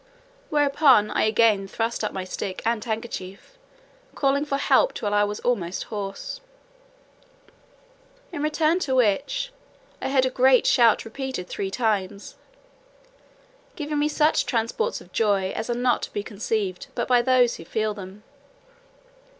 Whereupon I again thrust up my stick and handkerchief, calling for help till I was almost hoarse. In return to which, I heard a great shout repeated three times, giving me such transports of joy as are not to be conceived but by those who feel them.